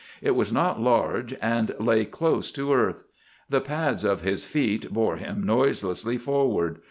It was not large, and lay close to earth. The pads of his feet bore him noiselessly forward.